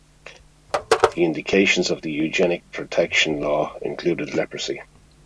The indications of the Eugenic Protection Law included leprosy.